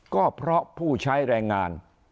ก็เพราะผู้ใช้แรงงาน